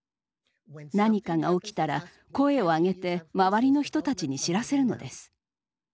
何かが起きたら声を上げて周りの人たちに知らせるのです。